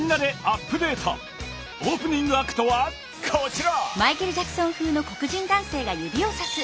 オープニングアクトはこちら！